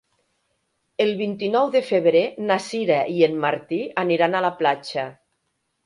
El vint-i-nou de febrer na Sira i en Martí aniran a la platja.